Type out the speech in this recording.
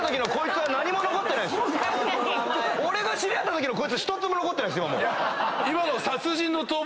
俺が知り合ったときのこいつ１つも残ってないです。